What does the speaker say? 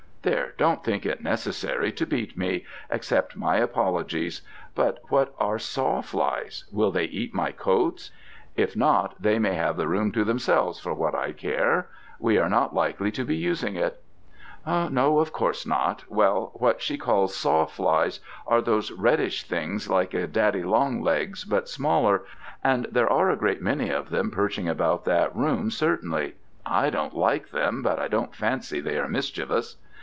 There, don't think it necessary to beat me: accept my apologies. But what are sawflies? will they eat my coats? If not, they may have the room to themselves for what I care. We are not likely to be using it." "No, of course not. Well, what she calls sawflies are those reddish things like a daddy longlegs, but smaller, and there are a great many of them perching about that room, certainly. I don't like them, but I don't fancy they are mischievous."